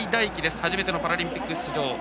初めてのパラリンピック出場。